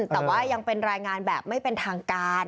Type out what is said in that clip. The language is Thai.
แต่ว่ายังเป็นรายงานแบบไม่เป็นทางการ